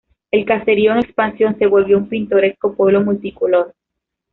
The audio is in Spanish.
El caserío en expansión se volvió un pintoresco pueblo multicolor.